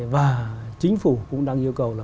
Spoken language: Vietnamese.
và chính phủ cũng đang yêu cầu